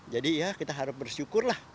jadi ya kita harus bersyukur lah